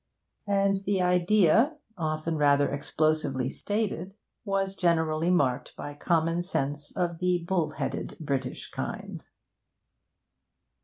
And the idea, often rather explosively stated, was generally marked by common sense of the bull headed, British kind.